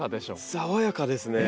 爽やかですね。